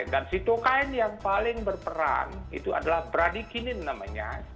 dan sitokain yang paling berperan itu adalah bradikinin namanya